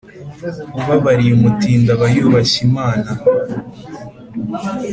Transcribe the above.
ubabariye umutindi aba yubashye imana